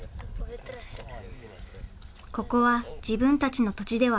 ここは自分たちの土地ではありません。